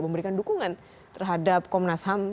memberikan dukungan terhadap komnas ham